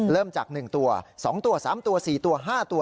เริ่มจาก๑ตัว๒ตัว๓ตัว๔ตัว๕ตัว